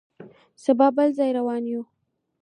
سبا بل ځای روان یو.